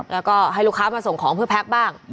แล้วก็ให้ลูกค้ามาส่งของเพื่อแพ็คบ้าง